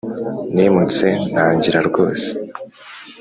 nimutse ntangira rwose